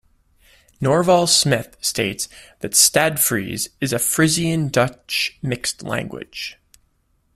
Norval Smith states that Stadsfries is a Frisian-Dutch mixed language.